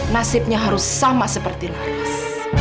nasibnya harus sama seperti laris